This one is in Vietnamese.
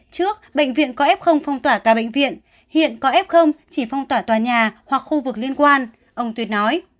trước bệnh viện có f phong tỏa cả bệnh viện hiện có f chỉ phong tỏa tòa nhà hoặc khu vực liên quan ông tuyệt nói